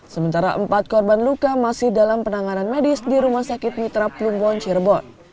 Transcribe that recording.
sementara empat korban luka masih dalam penanganan medis di rumah sakit mitra plumbon cirebon